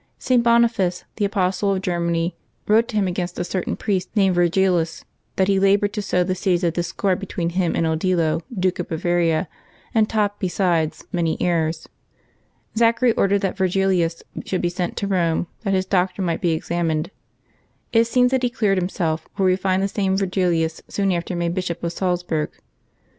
St. Boniface, the Apostle of Germany, wrote to him against a certain priest named Yirgilius, that he labored to sow the seeds of dis cord between him and Odilo, Duke of Bavaria, and taught, besides, many errors. Zachary ordered that Virgilius should be sent to Eome, that his doctrine might be ex Maboh 16] LIVES OF TEE SAINTS 109 amined. It seems that he cleared himself; for we find this same Virgilius soon after made Bishop of Salzburg.